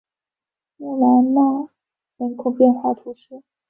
穆兰纳人口变化图示